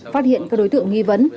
phát hiện các đối tượng nghi vấn